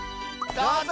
どうぞ！